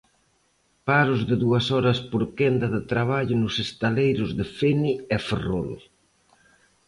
Paros de dúas horas por quenda de traballo nos estaleiros de Fene e Ferrol.